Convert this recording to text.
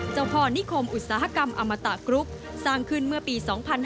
เจ้าพ่อนิคมอุตสาหกรรมอมตะกรุ๊ปสร้างขึ้นเมื่อปี๒๕๕๙